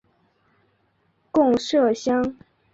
贡麝香。